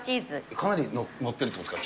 かなり載ってるってことですか。